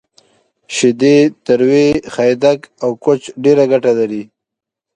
شیدې، تروی، خیدک، او کوچ ډیره ګټه لری